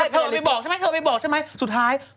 เธอไปบอกใช่ไหมสุดท้าย